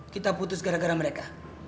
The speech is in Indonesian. kita putus gara gara mereka